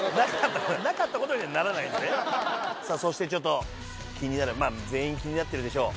・さぁそしてちょっと気になるまぁ全員気になってるでしょう。